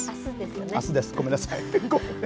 あすです、ごめんなさい。